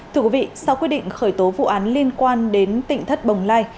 thưa quý vị sau quyết định khởi tố vụ án liên quan đến tỉnh thất bồng lai